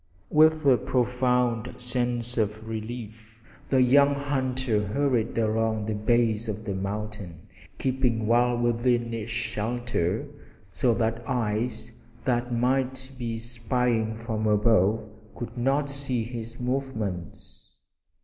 With a profound sense of relief the young hunter hurried along the base of the mountain, keeping well within its shelter so that eyes that might be spying from above could not see his movements.